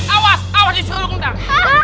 awas awas disuruh lo guntang